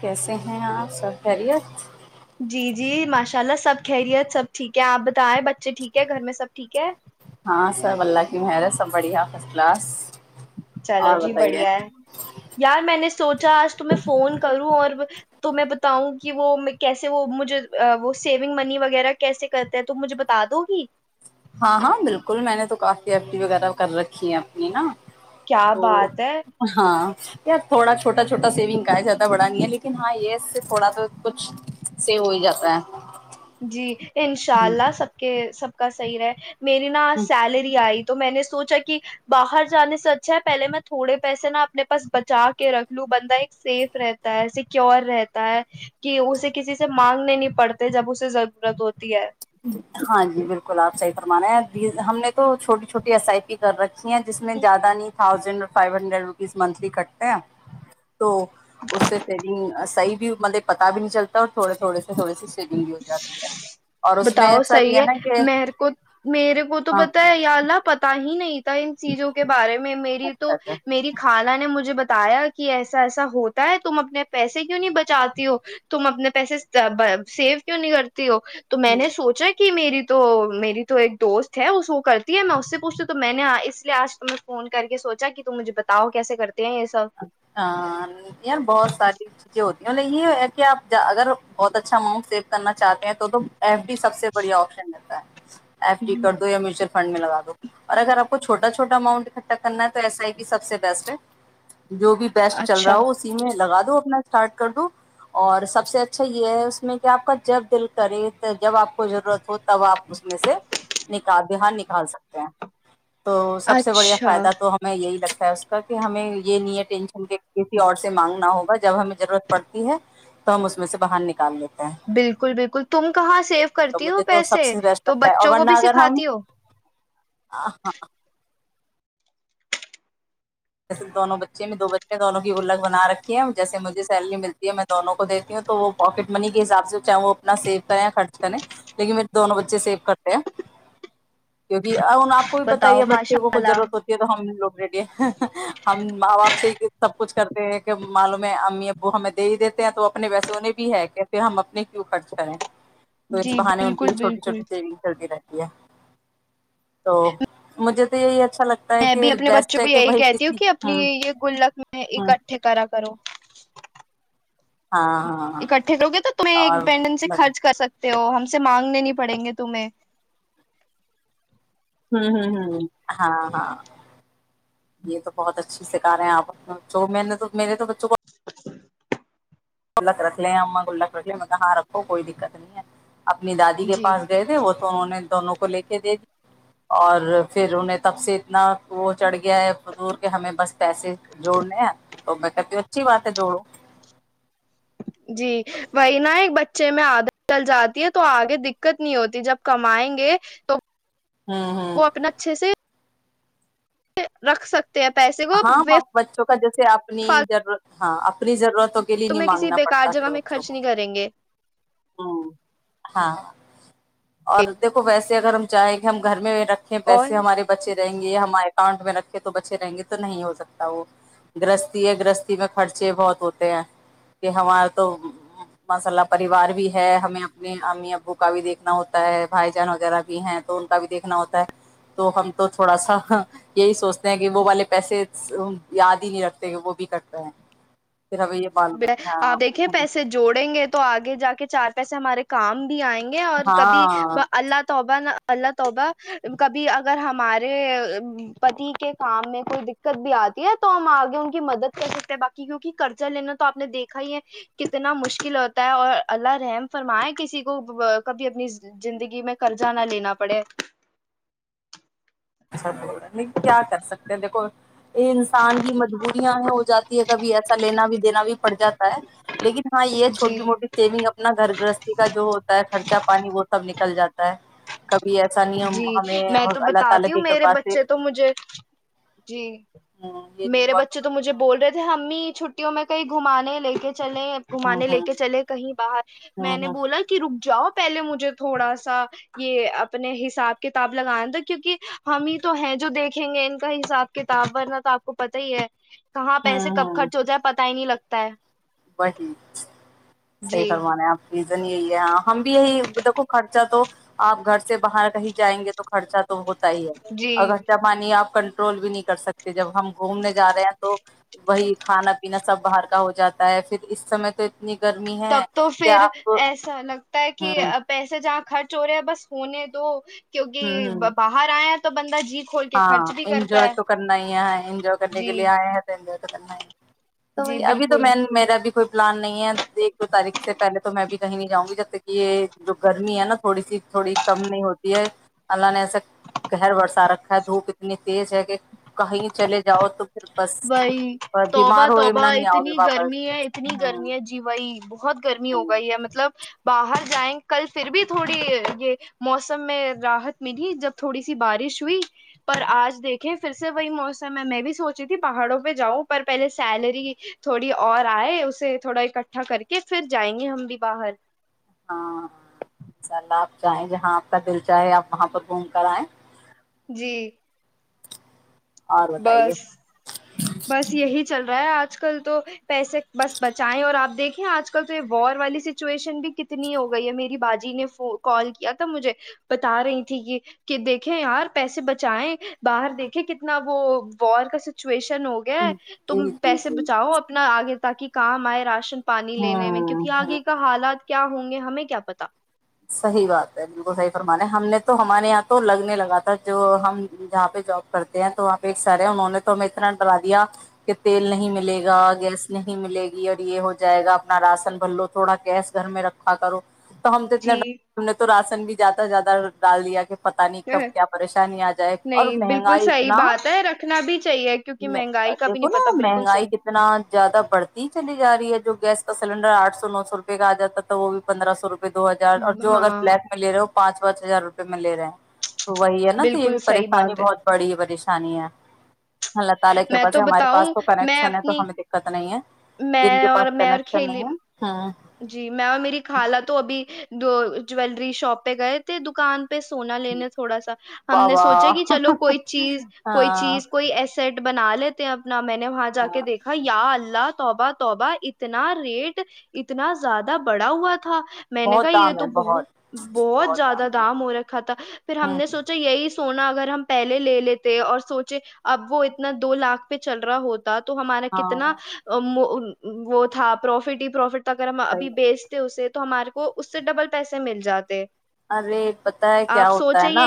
کیسے ہیں اپ سب خیریت جی جی ماشاءاللہ سب خیریت سب ٹھیک ہیں اپ بتائیں بچے ٹھیک ہیں گھر میں سب ٹھیک ہیں ہاں سب اللہ کی مہر ہے سب بڑھیا چلو اور جی بتائیے بڑھیا ہے یار میں نے سوچا اج تمہیں فون کروں اور تمہیں بتاؤں کہ وہ میں کیسے وہ مجھے وہ سیونگ بنی وغیرہ کیسے کرتا ہے تو مجھے بتا دو گی ماما جی ہاں ہاں بالکل میں نے تو کافی وغیرہ کر رکھی ہے اپنی نا کیا تو بات ہے نو ہاں تھوڑا چھوٹا چھوٹا سیونگ پایا جاتا ہے بڑا نہیں ہے لیکن ہاں یہ صرف تھوڑا سا کچھ سے ہو جاتا ہے جی ہوں۔ انشاءاللہ سب کے سب کا صحیح رہے میری نا سیلری تو میں نے سوچا کہ باہر جانے سے اچھا ہے پہلے میں تھوڑے پیسے نا اپنے پاس بچا کے رکھ لوں بندہ ایک سیف رہتا ہے سکیور رہتا ہے کہ اسے کسی سے مانگنے نہیں پڑتے جب ضرورت ہوتی ہے ہاں جی بالکل اپ صحی فرما رہے ہیں یہ ہم نے تو چھوٹی چھوٹی اسائپی بچیاں جس میں زیادہ نہیں ہزار روپیز منتھلی کٹتے ہیں تو اس سے تیری صحیح بھی مطلب پتہ بھی نہیں چلتا اور تھوڑے تھوڑے سے تھوڑے [inaudible] بتاؤ ایسا بھی صحیح ہے نا کہ مہر کو میرے کو تو ہاں پتہ ہے یا اللہ پت ہے نہیں ٹائم چیزوں کے بارے میں میری اچھا تو اچھا میری خالہ نے مجھے تایا کی ایسا ایسا ہوتا ہے تم اپنے پیسے کیوں نہیں بچاتی ہو تم اپنے پیسے [unintelligible] تو میں نے سوچا کہ تو میری تو ایک دوست ہیں وہ سو کرتی ہے میں اس سے پوچھتے تو میں نے اس لحاظ سے تمہیں فون کر کے سوچا کہ تم مجھے بتاؤ کیسے ہیں یہ سب [unintelligible] کیا نہیں ہے کہ اپ اگر بہت اچھا ماؤنٹ سیو کرنا چاہتے ہیں تو ایمٹی سب سے بڑی اپشن ہوں، [unintelligible] [unintelligible] فنڈ میں لگا دو اور اگر اپ کو چھوٹا چھوٹا اماؤنٹ ختم کرنا ہے تو ایس ائی کی سب سے بیسٹ ہے جو بھی بیسٹ چل اچھا رہا ہو اسی میں تو اپنا سٹارٹ کر دوں اور سب سے اچھا یہ ہے اس میں کہ اپ کا جب دل کرے جب اپ کو ضرورت ہو تب اپ اس میں سے نکال دیہا نکال سکتے ہیں تو سب سے بڑی اچھا فائدہ تو ہمیں یہی لگتا ہے اس [unintelligible] یہ میاں ٹینشن کے کسی اور سے مانگنا ہوگا جب ہمیں ضرورت پڑتی ہے تو ہم اس میں سے باہر نکال لیتے ہیں بالکل بالکل تم کہاں سیو تو کرتی ہو مجھے تو سب پیسے سے بیسٹ تو لگتا ہے اور بچوں کو ورنہ بھی اگر ہم سکھاتی ہو ان دونوں بچے نے دو بچے ہیں دونوں کی ولگ بنا رکھے ہیں جیسے مزے سیلری ملتی ہے میں دونوں کو دیتی ہوں تو وہ پاکٹ منی کے حساب سے ہو چاہے وہ اپنا سیو کریں خرچ کریں لیکن میرے دونوں بچے سیو کرتے ہیں اپ کو بھی بتاؤ بتائیے بچے ماشاء کو اللہ جنت ہوتی ہے تو ہم لوگ ہم ماں باپ سے کہ سب کچھ کرتے ہیں کہ معلوم ہے امی ابو ہمیں دے ہی دیتے ہیں تو اپنے ویسے انہیں بھی ہے کیسے ہم اپنے کیوں خرچ کریں تو اس جی بہا نے ان کی بھی بالکل چھوٹی بالکل چھوٹی سیون ہوتی ہے تو مجھے تو یہی اچھا لگتا ہے میں کہ بھی اپنے بیسٹ بچوں کو ہے کہ بھائی ی جو کسی کہ ہ اپنی یہ گلگ میں ہ اکٹھے پیرا کرو ہاں ہاں اکٹھے دو گے تو ایک اور دم سے لگا خرچ کرتے ہیں تو ہم سے مانگ میں نہیں پڑیں گے تمہیں [unintelligible] ہاں ہاں یہ تو بہت اچھی سکھا رہے ہیں اپ تو میں نے تو میرے [unintelligible] انہوں نے کہا اماں گلک رکھ لیں ہم گلک رکھ لیں تو میں نے کہا ہاں کوئی دقت نہیں ہے اپنے دادی کے جی پاس گئے تھے وہ تو انہوں نے دو اور پھر انہیں تب سے اتنا کو چڑھ گیا ہے فضول کہ ہمیں بس پیسے جوڑنے ہیں تو میں کہتی ہوں اچھی بات ہے جوڑو جی واہا نہ ایک۔ بچے میں عادت ڈل جاتی ہے تو اگے دقت نہیں ہوتی جب کمائیں گے تو۔ ہوں ہوں وہ اپنا اچھے سے۔ رکھ سکت۔ ہاں بچوں کا جیسے اپنے جب۔ ہاں اپنی ضرورت۔ تمہیں کسی بیکار جگہ میں خرچ نہیں کریں گے۔ ہم ہاں۔ اور دیکھو ویسے۔ اگر ہم چاہیں گے ہم گھر میں رہتے۔ رکھے پیسے اور ہمارے بچے۔ یہ ہمارے اکاؤنٹ میں رکھ کے تو بچے رہیں گے تو نہیں ہو سکتا وہ گرستی ہے گرستی کا خرچے بہت ہوتے ہیں کہ ہمارا تو ماشاءاللہ پریوار۔ بھی ہے ہمیں اپنے امی ابو کا بھی دیکھنا ہوتا ہے بھائی جان وغیرہ بھی ہیں تو ان کا بھی دیکھنا ہوتا ہے تو ہم تو تھوڑا سا یہی سوچتے ہیں کہ وہ والے پیسے یاد ہی نہیں رکھتے وہ بھی کرتے ہیں۔ پھر ہمیں یہ معلوم اپ دیکھیں ہے پیسے جوڑیں گے تو اگے جاکے۔ یہ چار پیسے ہمارے کام۔ ائیں گے اور ہاں کبھی ہاں اللہ توبہ نہ۔ اللہ توبہ کبھی اگر ہمارے پتی کے کام میں کوئی دقت بھی اتی ہے تو ہم اگے ان کی مدد کر سکتے ہیں باقی کیونکہ قرضہ لینا۔ اپ نے دیکھا ہی ہے کتنا مشکل ہوتا ہے اور اللہ رحم فرمائے کسی کو کبھی اپنی زندگی میں کرجا نہ لینا پڑے۔ نی کیا کر سکتے ہے دیکھو۔ انسان کی مجبوریاں ہے ہو جاتی ہے۔ کبھی ایسا لینا بھی دینا بھی پڑ جاتا ہے لیکن۔ ہاں یہ جی چھوٹی موٹی سیونگ اپنا گھر۔ رستے کا جو ہوتا ہے خرچہ پانی وہ سب نکل جاتا ہے کب۔ بھی ایسا نہیں ہم جی ہمیں میں تو اللہ تعالی کی۔ بتاتی میرے کرپا سے بچے تو مجھے جی یہ نہیں میرے ہوا بچے کہ تو مجھے بول رہے تھے امی۔ چھٹیوں میں کہیں گھمانے لیکے۔ چلے ہوں گھمانے لے ہوں کے چلے کہیں باہر میں ہوں نے ہوں بولا کہ رک جاؤ۔ پہلے مجھے تھوڑا سا یہ اپنے۔ حساب کتاب لگائیں تو کیونکہ ہم ہی تو ہیں جو دیکھیں گے ان کا حساب کتاب ور نہ تو اپ کو پتہ ہی ہے۔ کہاں پیسے ہوں کب ہوں خرچ ہو جائے پتہ ہی نہیں لگتا۔ [inaudible] وہی صحیح جی فرمان ہے اپ کی۔ [unintelligible] ہم بھی یہی دیکھو خرچہ تو۔ اپ گھر سے باہر کہیں جائیں گے۔ خرچہ تو ہوتا ہی ہے جی اگرچہ پانی اپ کا [unintelligible] بھی نہیں کر سکتے جب ہم گھومنے جا رہے ہیں تو وہی کھانا پینا سب باہر کا ہو جاتا ہے تو پھر اس طرح تو [unintelligible] تب تو کہ پھر آپ ہوں ایسا لگتا ہے کہ ہوں پیسے جہاں خرچ سورہ بس فون ہے تو [unintelligible] کیونکہ ہوں باہر ائے ہیں تو بندہ جی کھول کے خرچ بھی کرتا ہے تو کرنا ہی ہے انجو کرنے جی کے لیے ائے ہیں تو جی بھئی ابھی تو بالکل میں میرا بھی کوئی نہیں ہے ایک دو تاریخ سے پہلے تو میں بھی کہیں نہیں جاؤں گی جب تک یہ جو گرمی ہے نا تھوڑی سی تھوڑی کم نہیں ہوتی ہے اللہ نے ایسا کہ ہر دھوپ اتنی تیز ہے کہ کہیں چلے جاؤ تو پھر بس بھائی توبہ بیمار ہوئے توبہ بنا نہیں آؤ گے اتنی واپس گرمی ہے اتنی ہوں گرمی ہے جی بھائی بہت گرمی ہو ہوں گئی ہے مطلب باہر جائیں کل پھر بھی تھوڑی یہ موسم میں راحت میں تھی جب تھوڑی سی بارش ہوئی پر اج دیکھیں پھر سے وہی موسم ہے میں بھی سوچ پر پہلے سیلری تھوڑی اور ائے اسے تھوڑا اکٹھا کر کے پھر جائیں گے ہم بھی باہر اپ چاہیں جہاں اپ کا دل چاہے اپ وہاں پر گھوم کر ائیں [unintelligible] بس [unintelligible] بس یہی چل رہا ہے اج کل تو پیسے بس بچائیں اور اپ دیکھیں اج کل تو یہ وار والی سچویشن بھی کتنی ہو گئی ہے میری باجی نے کال کیا تھا مجھے بتا رہی تھی یہ کہ دیکھیں یار پیسے بچائیں باہر دیکھیں کتنا وہ وار کا دن ہو گیا ہے تم جی جی پیسے جی بچاؤ اپنا اگے [unintelligible] پانی لینے میں ہوں کیونکہ ہ اگے کا حالات کیا ہو یہ ہمیں کیا پت صحیح بات ہے بالکل صحیح فرمان ہے ہم نے تو ہمارے ہاں تو لگنے لگا تھا جو ہم جہاں پہ جاب کرتے ہیں تو وہاں پہ سارے انہوں نے تو میں اتنا بنا دیا کہ تیل نہیں ملے گا گیس نہیں ملے گی اور یہ ہو جائے گا اپنا راشن بلو تھوڑا گیس گھر میں رکھا کرو تو ہم [unintelligible] جی تنگی جاتا ڈال دیا کہ [unintelligible] پتہ نہیں کب کیا پریشانی ا جائے اور نہیں بالکل مہنگائی صحیح اتنا بات ہے رکھنا بھی چاہیے کیونکہ مہنگائی کا بھی دیکھو نہیں نا پتا بالکل مہنگائی صحیح کتنا زیادہ بڑھتی چلی جا رہی ہے جو گیس [inaudible] یار اب جو اگر بلیک میں لے رہے ہو پانچ پانچ ہزار روپے میں لے رہے ہیں وہی ہے نا تو یہ بالکل بھی صحیح پریشانی بات ہے بہت بڑی ہے [unintelligible] اللہ تعالی میں سے تو ہمارے پاس بتاؤں تو میں کنکشن ہے تو اپنی ہمیں دیکھا تو نہیں ہے جن میں کے اور پاس میں اور کنیکشن کھیلی نہیں ہے جی میں میری خالہ تو ابھی دو جیلری شاپ پہ گئے تھ دکان پہ سونا لینے تھوڑا سا ہم نے بابا سوچا کہ چلو کوئی چیز کوئی ہاں چیز کوئی ایسٹ بنا ل تو آب نہ میں نے وہاں جا کے ہاں دیکھا یا اللہ توبہ توبہ اتنا ریٹ اتنا زیادہ بڑا ہوا تھا تھا میں نے کہا بہت یہ دام تو ہے بت بہت بہت زیادہ دام ہو رکھا تھا پھر ہم ہ نے سوچا یہی سونا اگر ہم پہلے لے لیتے اور سوچے اب وہ اتنا دو لاکھ پہ چل رہا ہوتا تو ہمارا کتنا ہاں وہ تھا پروفٹ ہی پروفٹ اگر ہم ابھی صحیح ہے۔ بیچتے اسے تو ہمارے کو اس سے ڈبل پیسے مل جاتے ارے پتا ہے کیا ہوتا ہے نا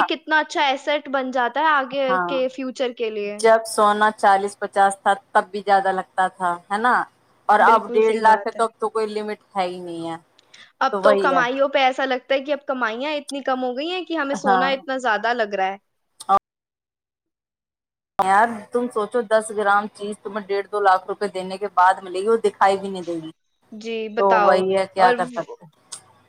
سیٹ بناتا آگے کے ہاں فیوچر کے لیے جب سونا چالیس پچاس تھا تب بھی زیادہ لگتا تھا ہے نا اور اب بالکل ڈیڑھ صحیح لاکھ سے بات ہے تک تو کوئی لمٹ ہے ہی نہیںئی ہے اب تو وہی ہے کمائیوں پہ ایسا لگتا کہ اب کمائیاں اتنی کم ہوگی گئی ہے کہ ہمیں ہاں سونا اتنا زیادہ لگا گریں یار تم سوچو دس گرام چیز تمہیں ڈیھ دو لاکھ روپئے دینے کے بعد ملے گی اور دکھائی بھی نہیں دے گی جی تو بتاؤ وہی ہے کیا اور کر سکتے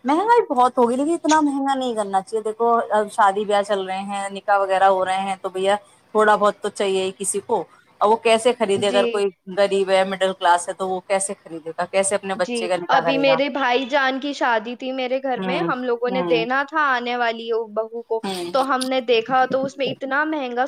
مہنگائی بہت توگی لےے اتنا مہنگا نہیں کرنا چاہیے دیکوب شادی بیاہ چل رہے ہیں نکاح وغیرہ ہو رہے ہیں تو بھیا تھوڑا بہت تو چاہیے ہی کسی کو ا وہ کیسے خریدے اگر جی کوئی غریب مڈل کلاس ہے تو وہ کیس خریدے گ جی ابھی میرے بھائی جان کی شادی تھی میرے گھر میں ہوں ہم لوگوں نے ہوں ہوں دینا تھا انے والی بہو کو تو ہ ہم نے دیکھا تو اس میں اتنا مہنگا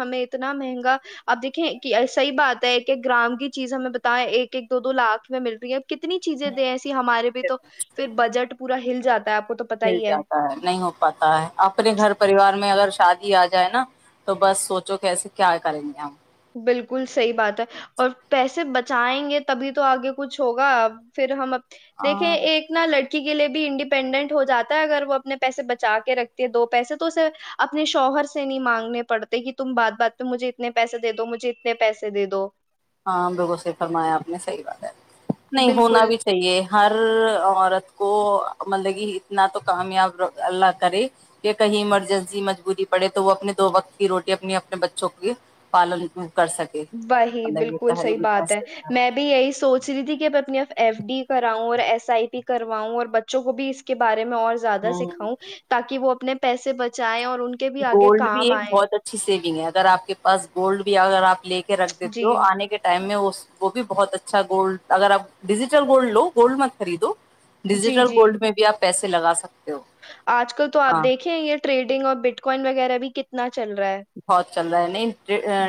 ہمیں اتنا مہنگا اپ دیکھیں صحیح بات ہے کہ گرام کی چیز ہمیں بتائیں ایک ایک دو دو لاکھ میں ملتی ہے کتنی چیزیں دیں ایسی ہمارے بھی تو پھر بجٹ پورا ہل زیادہ مل جاتا ہے نہیں ہو پاتا ہے اپنے گھر پریوار میں اگر شادی ا جائے نا تو بس سوچو کیسے کیا کریں گے ہم بالکل صحیح بات ہے اور پیسے بچائیں گے تبھی تو اگے کچھ ہوگا پھر ہم دیکھیں ہاں ایک نہ اسی کے لیے بھی انڈیپینڈنٹ ہو جاتا ہے اگر وہ اپنے پیسے بچا کے رکھتے ہیں دو پیسے تو اپنے شوہر سے نہیں مانگنے پڑتے کہ تم بات بات پہ مجھے اتنے تو مجھے اتنے پیسے دے دو عام لوگوں سے فرمایا اپ نے صحیح بات نہیں ہونا بالکل بھی صحیح ہے ہر عورت کو مطلبی اتنا تو کامیاب اللہ کرے کہ کہیں مرجنسی مجبوری پڑھے تو وہ اپنی دو وقت کی روٹی اپنی اپنے بچوں کی کر سکے جی مطلب یہ بالکل صحیح تحریری بات ہے میں بھی یہی سوچ رہی تھی کہ ایف ڈی پر اؤں اور ایس ائی پی کرواؤں اور بچوں کو بھی اس کے اور زیادہ سے ہوں کھاؤں تاکہ اپنے پیسے بچایا گولڈ بھی بہت اچھی سیونگ ہے اگر اپ کے پاس [unintelligible] لے کے رکھ جی دیتے ہو انے کے ٹائم میں وہ بھی بہت اچھا گولڈ اگر اپ ڈیجیٹل گولڈ لو گولڈ مت خریدو جی ڈیجیٹل جی گولڈ میں پیسے لگا ہو اج کل تو اپ ہاں دیکھیں ٹریڈنگ اور بٹ کوائن وغیرہ بھی کتنا چل رہا ہے بہت چل رہا ہے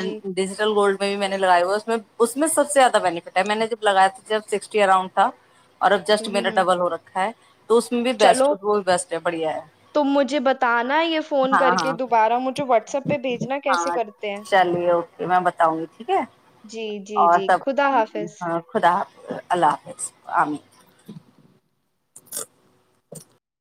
جی ڈیجیٹل میں نے لگایا ہوا اس میں اس میں سب سے زیادہ میں نے پٹ ہے میں نے جب لگایا تھ اراؤنڈ تھا اور اف جسٹ منٹ ہوں ڈبل ہو رکھا ہے تو اس میں بھی چلو بیسٹ وہ بھی بیسٹ ہے بڑھیا ہے تم مجھے بتانا یہ فون کر ہاں کے ہاں دوبارہ مجھے پہ بھیجنا کیسے ہاں کرتے ہیں چلی ہوگی میں بتاؤں گی ٹھیک ہے جی جی اور جی سب خدا حافظ اللہ حافظ امین [unintelligible]